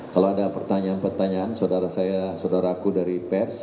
kalau ada pertanyaan pertanyaan saudara saya saudaraku dari pers